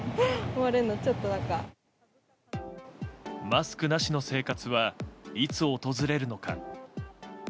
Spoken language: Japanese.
マスクなしの生活はいつ訪れるのか。